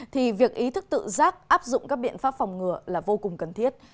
thì việc ý thức tự giác áp dụng các biện pháp phòng ngừa là vô cùng cần thiết